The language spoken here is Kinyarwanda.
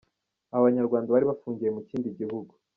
Aba banyarwanda bari bafungiye mukindi gihugu.